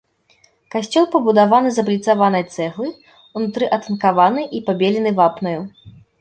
Касцёл пабудаваны з абліцаванай цэглы, унутры атынкаваны і пабелены вапнаю.